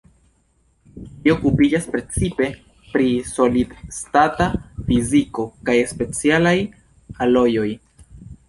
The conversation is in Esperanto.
Li okupiĝas precipe pri solid-stata fiziko kaj specialaj alojoj.